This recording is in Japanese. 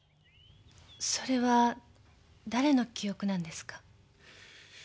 それは誰の記憶なんですか？